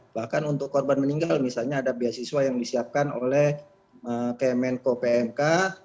bahkan untuk korban meninggal misalnya ada beasiswa yang disiapkan oleh kemenko pmk